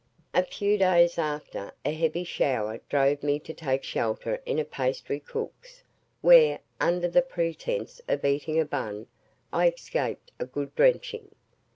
A few days after, a heavy shower drove me to take shelter in a pastry cook's, where, under the pretence of eating a bun, I escaped a good drenching.